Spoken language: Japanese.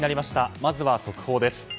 まずは速報です。